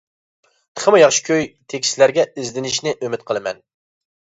تېخىمۇ ياخشى كۈي، تېكىستلەرگە ئىزدىنىشىنى ئۈمىد قىلىمەن!